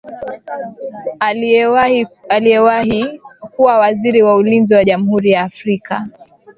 aliyewahii kuwa waziri wa ulinzi wa jamhuri ya afrika